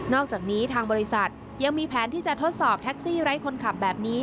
อกจากนี้ทางบริษัทยังมีแผนที่จะทดสอบแท็กซี่ไร้คนขับแบบนี้